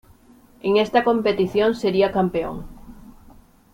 En esta competición sería campeón.